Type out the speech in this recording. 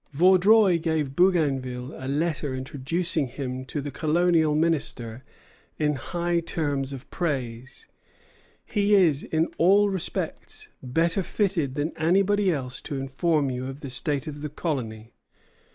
Vaudreuil gave Bougainville a letter introducing him to the Colonial Minister in high terms of praise: "He is in all respects better fitted than anybody else to inform you of the state of the colony.